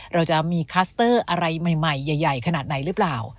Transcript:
เราจะมีคลัสเตอร์อะไรใหม่ใหญ่ขนาดไหนหรือเปล่า